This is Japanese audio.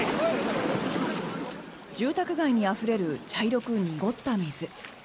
住宅街にあふれる茶色く濁った水。